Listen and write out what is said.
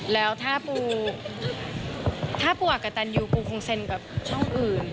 แล้วถ้าปูถ้าปูอากกับตันยูปูคงเซ็นกับช่องอื่น